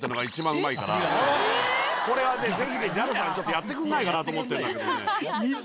これはぜひＪＡＬさんちょっとやってくんないかなと思ってんだけどね。